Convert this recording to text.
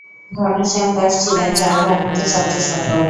ঘনশ্যাম দাস ছিলেন চার ভাইয়ের মধ্যে সবচেয়ে সফল।